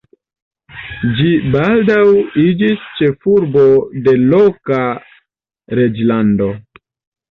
Ĝi baldaŭ iĝis ĉefurbo de loka reĝlando.